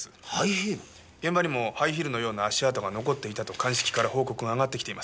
現場にもハイヒールのような足跡が残っていたと鑑識から報告があがってきています。